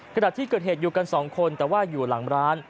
ขณะที่เกิดเหตุอยู่กันสองคนแต่ว่าอยู่หลังร้าน